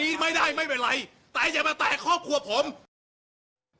พี่แอดวันนั้นพี่แอดอยู่ในเหตุการณ์